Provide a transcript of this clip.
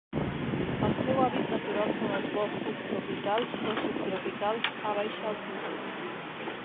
El seu hàbitat natural són els boscos tropicals o subtropicals a baixa altitud.